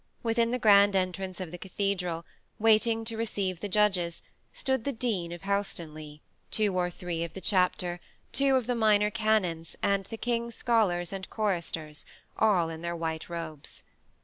Within the grand entrance of the cathedral, waiting to receive the judges, stood the Dean of Helstonleigh, two or three of the chapter, two of the minor canons, and the king's scholars and choristers, all in their white robes.